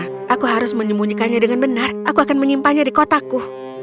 jika aku harus menyembunyikannya dengan benar aku akan menyimpannya di kotaku